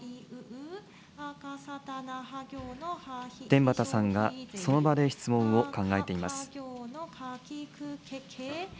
天畠さんがその場で質問を考えています。